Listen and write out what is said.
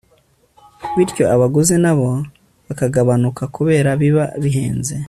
bityo abaguzi nabo bakagabanuka kubera biba bihenze